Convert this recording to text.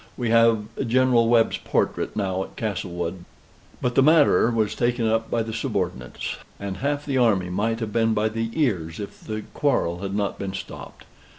We have General Webb's portrait now at Castlewood, Va. But the matter was taken up by the subordinates; and half the army might have been by the ears, if the quarrel had not been stopped.